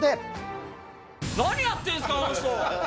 何やってんですか、あの人。